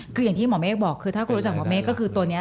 คืออย่างที่หมอเมฆบอกคือถ้าคุณรู้จักหมอเมฆก็คือตัวนี้